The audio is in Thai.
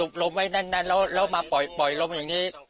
ลมไว้นั่นแล้วมาปล่อยลมอย่างนี้